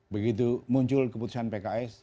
begitu muncul keputusan pks